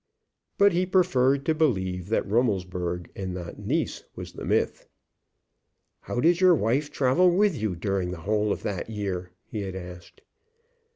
But he preferred to believe that Rummelsburg, and not Nice, was the myth. "How did your wife travel with you during the whole of that year?" he had asked.